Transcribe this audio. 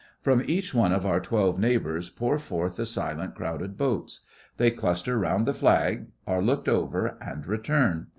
From each one of our twelve neighbours pour forth the silent crowded boats. They cluster round the Flag, are looked over, and return.